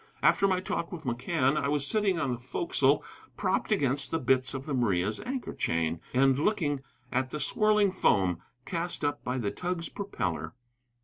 After my talk with McCann I was sitting on the forecastle propped against the bitts of the Maria's anchor chain, and looking at the swirling foam cast up by the tug's propeller.